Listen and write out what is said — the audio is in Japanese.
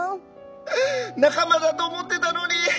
仲間だと思ってたのに。